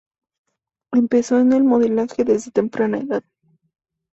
Empezó en el modelaje desde temprana edad.